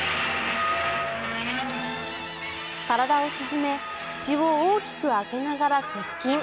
体を沈め、口を大きく開けながら接近。